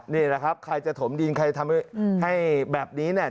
นี่แหละครับใครจะถมดินใครทำให้แบบนี้เนี่ย